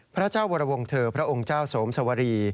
พระเจ้าวรวงเถอร์พระองค์เจ้าสวมสวรี